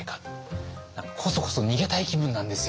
何かこそこそ逃げたい気分なんですよね。